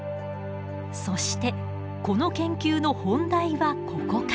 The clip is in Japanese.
そしてこの研究の本題はここから。